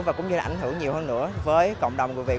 và cũng như là ảnh hưởng nhiều hơn nữa với cộng đồng người việt